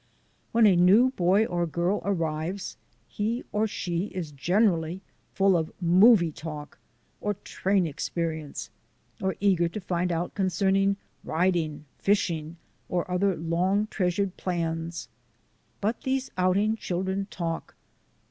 When a new boy or girl arrives he or she is gen erally full of movie talk or train experience, or eager to find out concerning riding, fishing, or other long treasured plans. But these outing chil dren talk.